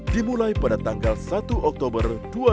dimulai pada tanggal satu oktober dua ribu dua puluh